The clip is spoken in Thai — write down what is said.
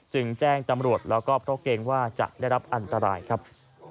จึงแจ้งจำรวจแล้วก็เพราะเกรงว่าจะได้รับอันตรายครับ